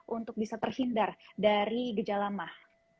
untuk bisa terhindar dari gejala mah